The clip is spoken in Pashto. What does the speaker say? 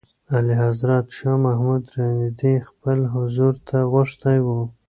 اعلیحضرت شاه محمود رېدی خپل حضور ته غوښتی و.